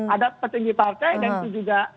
ada petinggi partai dan itu juga